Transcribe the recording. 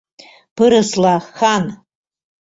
Пырысла — хан!